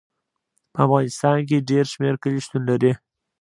په افغانستان کې ډېر شمیر کلي شتون لري.